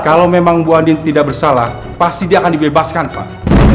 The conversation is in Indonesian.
kalau memang bu ani tidak bersalah pasti dia akan dibebaskan pak